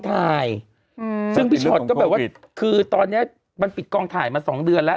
ถ่ายอืมซึ่งแบบว่าอย่างคือตอนเนี้ยมันปิดกองถ่ายมาสองเดือนล่ะ